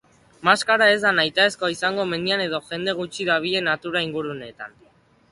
Maskara ez da nahitaezkoa izango mendian edo jende gutxi dabilen natura-inguruneetan.